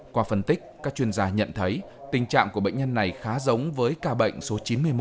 qua phân tích các chuyên gia nhận thấy tình trạng của bệnh nhân này khá giống với ca bệnh số chín mươi một